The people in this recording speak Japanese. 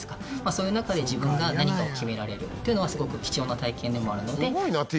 そういう中で自分が何かを決められるっていうのはすごく貴重な体験でもあるので。